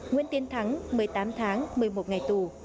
nguyễn tiến thắng một mươi tám tháng một mươi một ngày tù